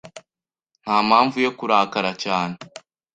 Nta mpamvu yo kurakara cyane.